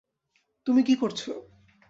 তুমি কি করছো?